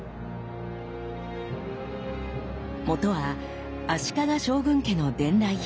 もとは足利将軍家の伝来品。